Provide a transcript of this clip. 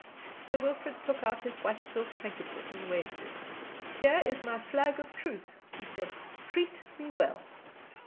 Sir Wilfrid took out his white silk handkerchief and waved it. "Here is my flag of truce," he said. "Treat me well."